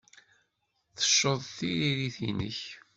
Tecceḍ tririt-nnek.